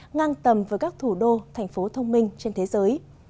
ngang tầm với các thủ đô thành phố thông minh trên thế giới